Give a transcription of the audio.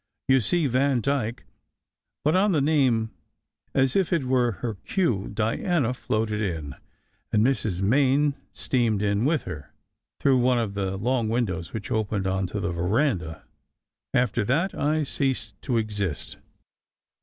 You see, Vandyke But on the name, as if it were her cue, Diana floated in, and Mrs. Main steamed in with her, through one of the long windows which opened on to the veranda. After that I ceased to exist.